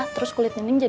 bersama dengan angga